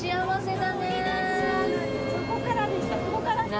なのでそこからでした。